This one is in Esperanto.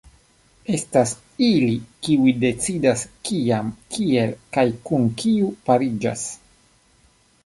Estas ili kiuj decidas kiam, kiel kaj kun kiu pariĝas.